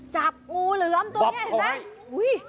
จับงูเหลือมตัวเนี้ยเห็นไหมบอบของให้อุ้ย